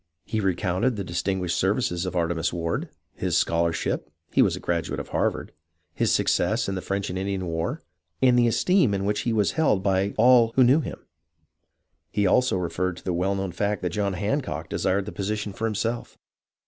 He recounted the distinguished services of Artemas Ward, his scholarship (he was a graduate of Harvard), his success in the French and Indian War, and the esteem in which he was held by all who knew 46 HISTORY OF THE AMERICAN REVOLUTION him. He also referred to the well known fact that John Hancock desired the position for himself.